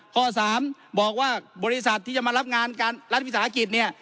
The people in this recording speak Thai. ข้อ๓บอกว่าบริษัทที่จะมารับงานการรัฐวิสาหกิจเนี่ย